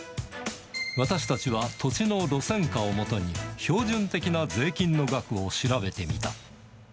私たちは土地の路線価をもとに、標準的な税金の額を調べてみた。